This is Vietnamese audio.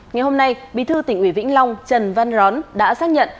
ngày hôm nay bí thư tỉnh ủy vĩnh long trần văn rón đã xác nhận